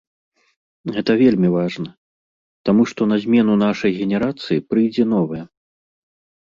Гэта вельмі важна, таму што на змену нашай генерацыі прыйдзе новая.